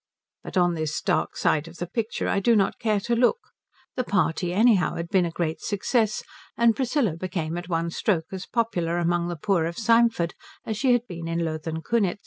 But on this dark side of the picture I do not care to look; the party, anyhow, had been a great success, and Priscilla became at one stroke as popular among the poor of Symford as she had been in Lothen Kunitz.